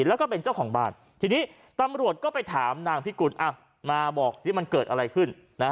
แล้วก็เป็นเจ้าของบ้านทีนี้ตำรวจก็ไปถามนางพิกุลมาบอกสิมันเกิดอะไรขึ้น